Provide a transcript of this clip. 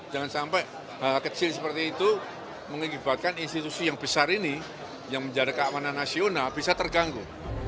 jangan sampai hal hal kecil seperti itu mengibatkan institusi yang besar ini yang menjaga keamanan nasional bisa terganggu